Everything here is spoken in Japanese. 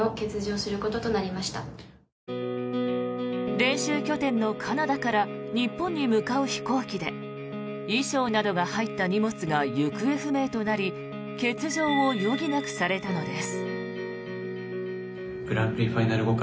練習拠点のカナダから日本に向かう飛行機で衣装などが入った荷物が行方不明となり欠場を余儀なくされたのです。